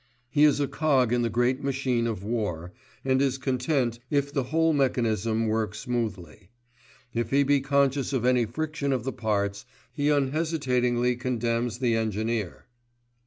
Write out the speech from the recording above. He is a cog in the great machine of war, and is content if the whole mechanism work smoothly. If he be conscious of any friction of the parts, he unhesitatingly condemns the engineer.